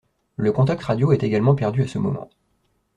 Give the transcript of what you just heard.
Le contact radio est également perdu à ce moment.